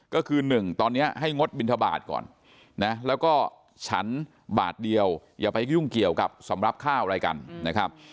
ก็คือ๑ตอนนี้ให้งดบินทบาทก่อนนะแล้วก็ฉันบาทเดียวอย่าไปยุ่งเกี่ยวกับสำหรับข้าวอะไรกันนะครับ